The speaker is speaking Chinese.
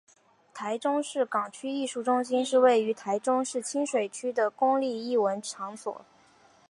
台中市港区艺术中心是位于台中市清水区的公立艺文场所。